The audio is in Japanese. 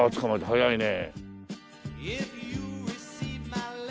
早いね。